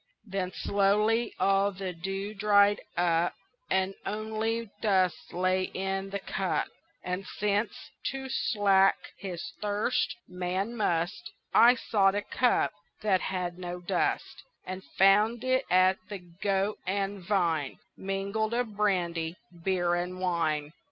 Then slowly all the dew dried up And only dust lay in the cup; And since, to slake his thirst, man must, I sought a cup that had no dust, And found it at the Goat and Vine Mingled of brandy, beer and wine.